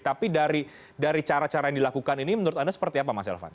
tapi dari cara cara yang dilakukan ini menurut anda seperti apa mas elvan